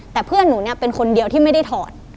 แต่เพื่อนหนูเนี่ยเป็นคนเดียวที่ไม่ได้ถอด